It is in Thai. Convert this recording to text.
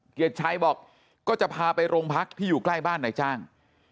เกียรติชัยบอกก็จะพาไปโรงพักที่อยู่ใกล้บ้านนายจ้าง